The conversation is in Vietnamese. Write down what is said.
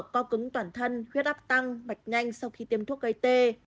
co cứng toàn thân huyết áp tăng mạch nhanh sau khi tiêm thuốc gây tê